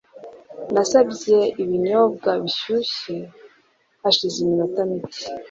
Nasabye ibinyobwa bishyushye hashize iminota mike.